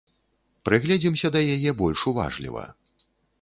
Прыгледзімся да яе больш уважліва.